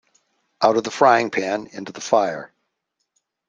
Out of the frying pan into the fire.